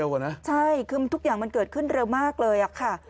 เพิ่งมารู้ใช่คือทุกอย่างมันเกิดขึ้นเร็วมากเลยค่ะ